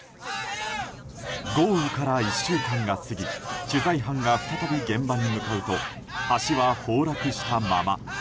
豪雨から１週間が過ぎ取材班が再び現場に向かうと橋は崩落したまま。